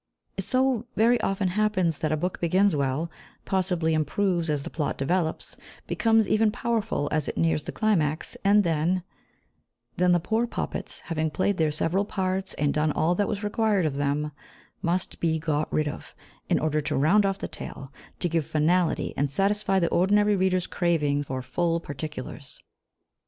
It so very often happens that a book begins well, possibly improves as the plot develops, becomes even powerful as it nears the climax, and then then the poor puppets, having played their several parts and done all that was required of them, must be got rid of, in order to round off the tale, to give finality, and satisfy the ordinary reader's craving for "full particulars."